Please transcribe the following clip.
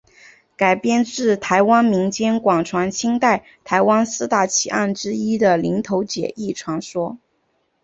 改编自台湾民间广传清代台湾四大奇案之一的林投姐一传说。